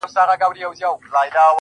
دغه جلال او دا جمال د زلفو مه راوله,